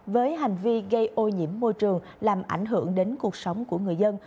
với hành vi gây ô nhiễm môi trường làm ảnh hưởng đến cuộc sống của người dân